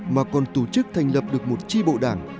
mà còn tổ chức thành lập được một tri bộ đảng